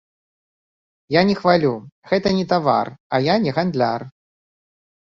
Я не хвалю, гэта не тавар, а я не гандляр.